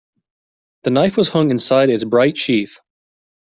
The knife was hung inside its bright sheath.